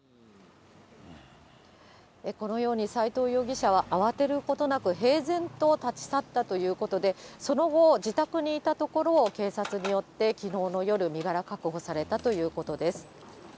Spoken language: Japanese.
このように斎藤容疑者は慌てることなく、平然と立ち去ったということで、その後、自宅にいたところを警察によってきのうの夜、身柄確保されたということです。